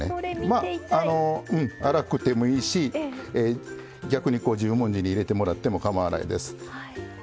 まあ粗くてもいいし逆に十文字に入れてもらってもかまわないです。